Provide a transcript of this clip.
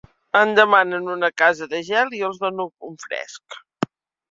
Em demanen una casa de gel i jo els dono un fresc.